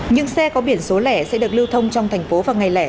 những xe có biển số lẻ sẽ được lưu thông trong thành phố vào ngày lẻ